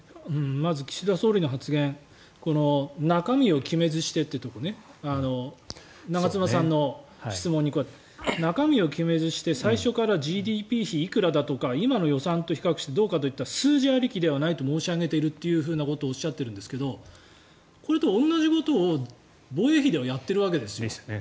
まず、岸田総理の発言中身を決めずしてというところ長妻さんの質問に対して。中身を決めずして最初からＧＤＰ比いくらだとか今の予算と比較してどうかといった数字ありきではないと申し上げているということをおっしゃっているんですけどこれと同じことを、防衛費ではやっているわけですよ。